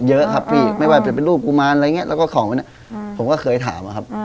เยอะครับพี่ไม่ว่าจะเป็นลูกกุมานแล้วก็ของไปหน่อยผมก็เคยถามครับ